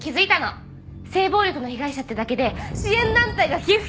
性暴力の被害者ってだけで支援団体が寄付金をくれる。